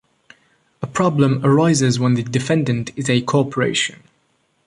A problem arises when the defendant is a corporation.